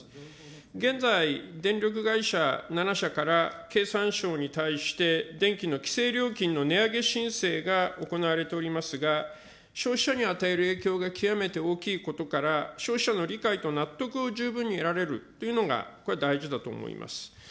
現在、電力会社７社から経産省に対して、電気の規制料金の値上げ申請が行われておりますが、消費者に与える影響が極めて大きいことから、消費者の理解と納得を十分に得られるというのが、これは大事だと思います。